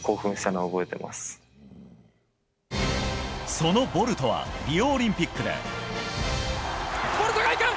そのボルトはリオオリンピックで。